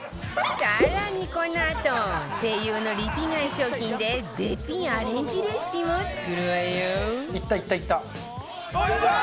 更にこのあと ＳＥＩＹＵ のリピ買い商品で絶品アレンジレシピも作るわよ